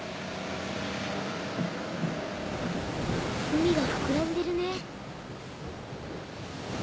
海がふくらんでるね。